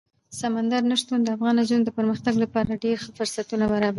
سمندر نه شتون د افغان نجونو د پرمختګ لپاره ډېر ښه فرصتونه برابروي.